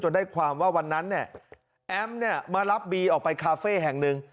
ได้ความว่าวันนั้นเนี่ยแอมเนี่ยมารับบีออกไปคาเฟ่แห่งหนึ่ง